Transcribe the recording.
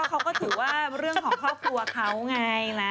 เขาก็ถือว่าเรื่องของครอบครัวเขาไงนะ